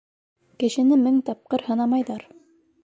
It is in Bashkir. Кешене мең тапҡыр һынамайҙар.